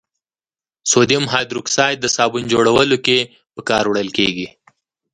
سودیم هایدروکساید د صابون جوړولو کې په کار وړل کیږي.